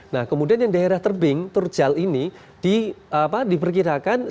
nah kemudian yang daerah terbing terjal ini diperkirakan sangat rawan untuk pergerasan tanah